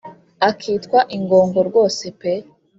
akitwa ingongo rwose pe